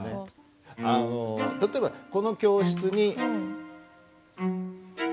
あの例えばこの教室に。